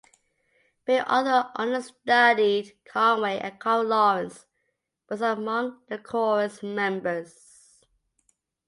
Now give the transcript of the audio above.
Bea Arthur understudied Conway and Carol Lawrence was among the chorus members.